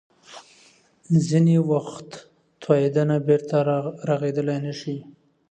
ځینې وخت تویېدنه بیرته رغېدلی شي.